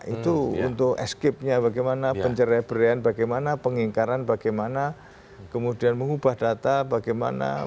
itu untuk escape nya bagaimana pencerai beraian bagaimana pengingkaran bagaimana kemudian mengubah data bagaimana